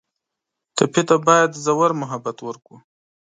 ټپي ته باید ژور محبت ورکړو.